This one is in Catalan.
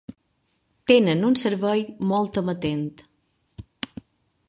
Tenen un servei molt amatent.